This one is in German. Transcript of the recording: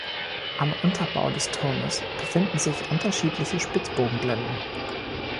Am Unterbau des Turmes befinden sich unterschiedliche Spitzbogenblenden.